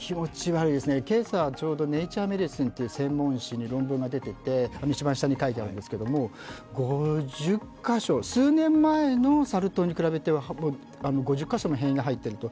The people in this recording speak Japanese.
今朝、「ネイチャー」という「ネイチャー・メディシン」という専門誌に論文が出てて、一番下に書いてあるんですけれども、数年前のサル痘に比べては５０カ所の変異が入ってると。